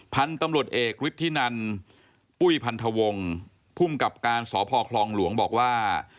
พันธุ์ตำรวจเอกฤทธินันปุ้ยพันธวงศ์ภูมิกับการสพคลองหลวงบอกว่า